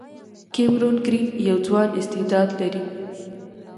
کیمرون ګرین یو ځوان استعداد لري.